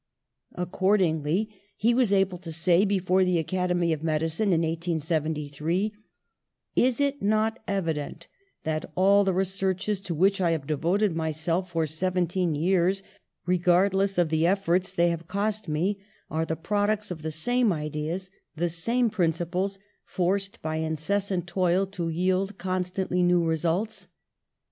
Accordingly he was able to say before the Academy of Medicine in 1873 : ^'Is it not evident that all the researches to which I have devoted myself for seventeen years, regardless of the efforts they have cost me, are the products of the same ideas, the same principles, forced by incessant toil to yield constantly new results?